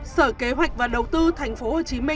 sở kế hoạch và đầu tư tp hcm